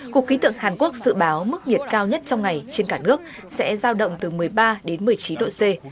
cục khí tượng hàn quốc dự báo mức nhiệt cao nhất trong ngày trên cả nước sẽ giao động từ một mươi ba đến một mươi chín độ c